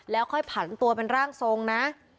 แล้วค่อยผันตัวเป็นร่างทรงนะ